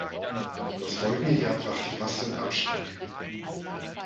Das folgende Jahr brachte fast den Abstieg.